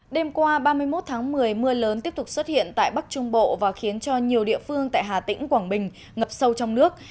đêm qua ba mươi một tháng một mươi mưa lớn tiếp tục xuất hiện tại bắc trung bộ và khiến cho nhiều địa phương tại hà tĩnh quảng bình ngập sâu trong nước